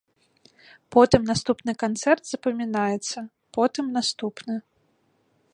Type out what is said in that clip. Потым наступны канцэрт запамінаецца, потым наступны.